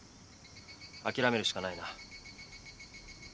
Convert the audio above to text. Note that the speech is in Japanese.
あきらめるしかないな。